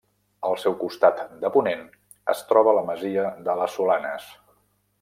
Al seu costat de ponent es troba la masia de les Solanes.